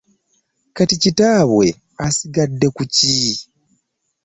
Kati kitaabwe asigadde ku ki?